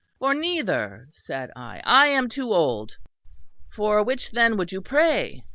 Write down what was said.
For neither, said I: I am too old. _For which then would you pray?